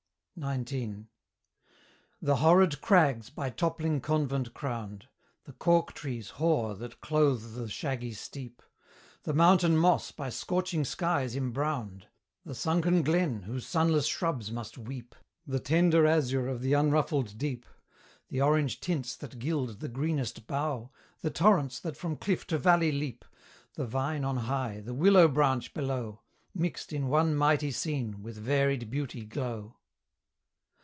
XIX. The horrid crags, by toppling convent crowned, The cork trees hoar that clothe the shaggy steep, The mountain moss by scorching skies imbrowned, The sunken glen, whose sunless shrubs must weep, The tender azure of the unruffled deep, The orange tints that gild the greenest bough, The torrents that from cliff to valley leap, The vine on high, the willow branch below, Mixed in one mighty scene, with varied beauty glow.